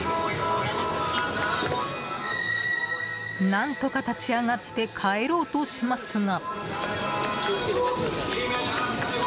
何とか立ち上がって帰ろうとしますが。